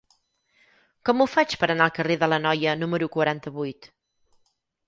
Com ho faig per anar al carrer de l'Anoia número quaranta-vuit?